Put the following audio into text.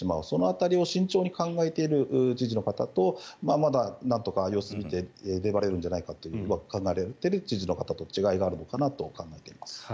その辺りを慎重に考えている知事の方とまだなんとか様子を見て粘れるんじゃないかと考えている知事の方と違いがあるのかなと考えています。